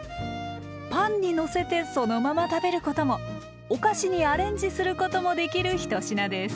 パンにのせてそのまま食べることもお菓子にアレンジすることもできる１品です。